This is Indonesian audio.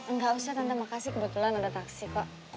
enggak usah tante makasih kebetulan ada taksi kok